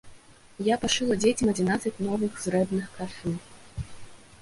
Я пашыла дзецям адзінаццаць новых зрэбных кашуль!